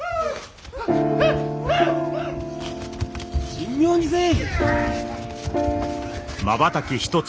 ・神妙にせい！